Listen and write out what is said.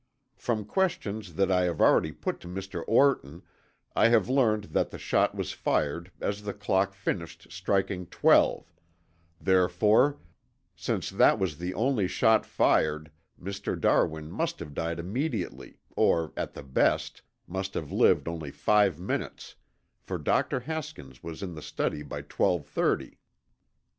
From questions that I have already put to Mr. Orton I have learned that the shot was fired as the clock finished striking twelve, therefore since that was the only shot fired Mr. Darwin must have died immediately, or at the best, must have lived only five minutes, for Dr. Haskins was in the study by twelve thirty."